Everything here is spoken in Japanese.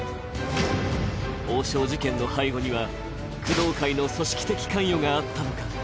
王将事件の背後には、工藤会の組織的関与があったのか。